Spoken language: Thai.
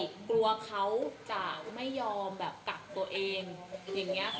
กลัวเขาจะไม่ยอมแบบกักตัวเองอย่างนี้ค่ะ